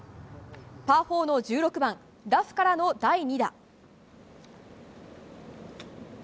パー４の１６番ラフからの第２打。